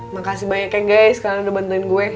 makasih banyak ya guys kalian udah bantuin gue